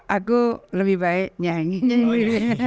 aku lebih baik nyanyi